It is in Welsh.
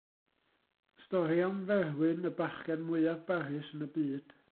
Stori am Ferwyn, y bachgen mwyaf barus yn y byd.